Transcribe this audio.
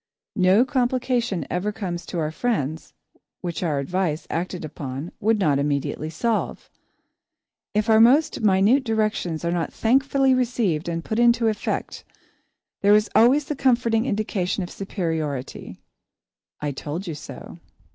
No complication ever comes to our friends, which our advice, acted upon, would not immediately solve. If our most minute directions are not thankfully received and put into effect, there is always the comforting indication of superiority "I told you so."